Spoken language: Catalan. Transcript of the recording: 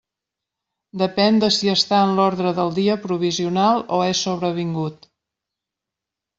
Depèn de si està en l'ordre del dia provisional o és sobrevingut.